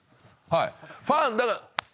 はい。